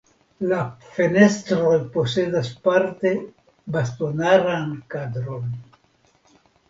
La fenestroj posedas parte bastonaran kadron.